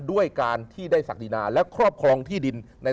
ด้วยการที่ได้ศักดินาและครอบครองที่ดิน